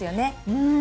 うん！